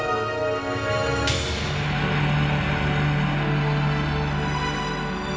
sunggalan dalam percobaan bidang ini